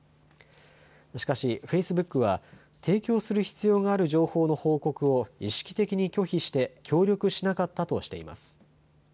しかしフェイスブックは提供する必要がある情報の報告を意識的に拒否して協力しなかったとしています。